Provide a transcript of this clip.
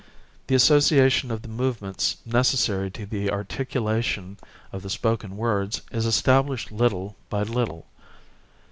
The association of the movements necessary to the articulation of the spoken words is established little by little.